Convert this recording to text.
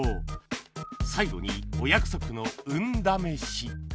最後にお約束の運試し！